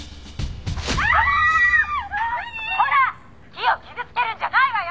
木を傷つけるんじゃないわよ！」